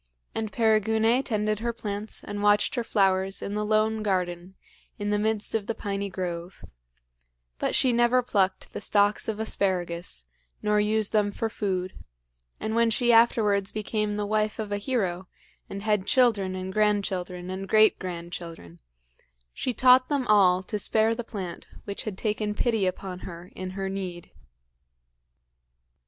And Perigune tended her plants and watched her flowers in the lone garden in the midst of the piny grove; but she never plucked the stalks of asparagus nor used them for food, and when she afterwards became the wife of a hero and had children and grandchildren and great grandchildren, she taught them all to spare the plant which had taken pity upon her in her need.